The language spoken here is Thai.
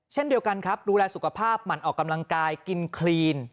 เช่นเดียวกันครับดูแลสุขภาพหมั่นออกกำลังกายกินคลีน